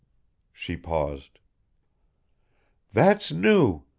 She paused. "That's new.